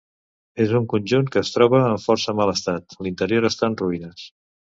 És un conjunt que es troba en força mal estat, l'interior està en ruïnes.